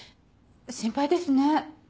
心配ですね。